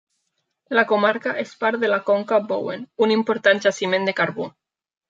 La comarca és part de la conca Bowen, un important jaciment de carbó.